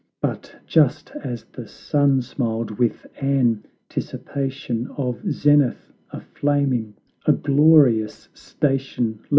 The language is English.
But just as the Sun smiled with anticipation Of zenith aflaming, a glorious station, Lo!